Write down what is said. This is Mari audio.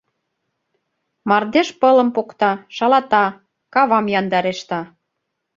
Мардеж пылым покта, шалата, кавам яндарешта.